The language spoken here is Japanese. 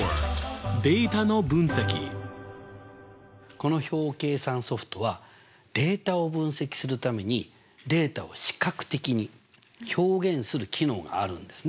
この表計算ソフトはデータを分析するためにデータを視覚的に表現する機能があるんですね。